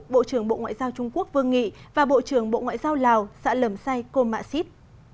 bộ trưởng bộ ngoại giao trung quốc vương nghị và bộ trưởng bộ ngoại giao lào sạ lầm say cô mạ xít